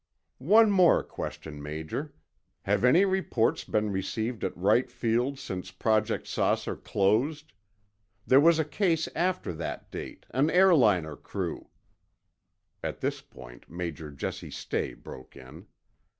One more question, Major. Have any reports been received at Wright Field since Project "Saucer" closed? There was a case after that date, an airliner crew— At this point, Major Jesse Stay broke in.